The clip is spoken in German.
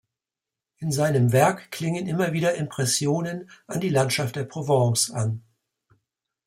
In seinem Werk klingen immer wieder Impressionen an die Landschaft der Provence an.